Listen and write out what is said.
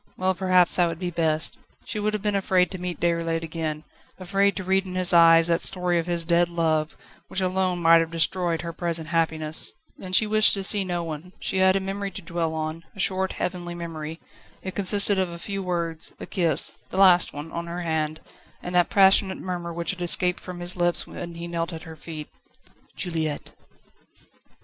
Well, perhaps that would be best. She would have been afraid to meet Déroulède again, afraid to read in his eyes that story of his dead love, which alone might have destroyed her present happiness. And she wished to see no one. She had a memory to dwell on a short, heavenly memory. It consisted of a few words, a kiss the last one on her hand, and that passionate murmur which had escaped from his lips when he knelt at her feet: "Juliette!"